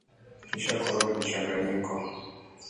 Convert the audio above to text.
Kisha koroga mchanganyiko